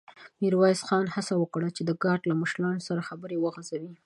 ميرويس خان هڅه وکړه چې د ګارد له مشر سره خبرې وغځوي.